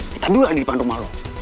kita dua di depan rumah lo